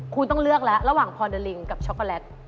คุณต้องเลือกแล้วระหว่างพอเดอลิงกับช็อกโกแลต